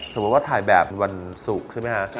สมมุติว่าถ่ายแบบวันศุกร์ใช่ไหมคะ